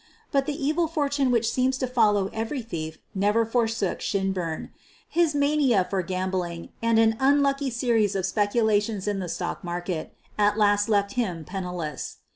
But the evil fortune which seems to follow every thief never forsook Shinburn. His mania for gambling and an unlucky series of speculations in the stock market at last left him penniless.